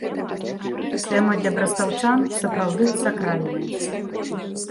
Тэма для брастаўчан, сапраўды, сакральная.